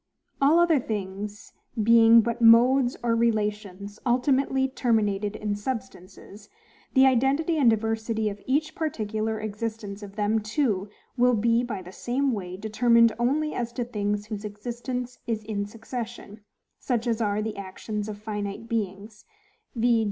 All other things being but modes or relations ultimately terminated in substances, the identity and diversity of each particular existence of them too will be by the same way determined: only as to things whose existence is in succession, such as are the actions of finite beings, v.